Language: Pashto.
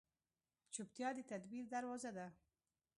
چپتیا، د تدبیر دروازه ده.